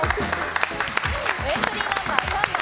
エントリーナンバー３番。